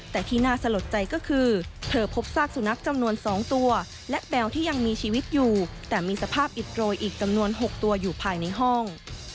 แต่ที่น่าสลดใจก็คือเธอพบซากสุนัขจำนวน๒ตัวและแมวที่ยังมีชีวิตอยู่แต่มีสภาพอิดโรยอีกจำนวน๖ตัวอยู่ภายในห้อง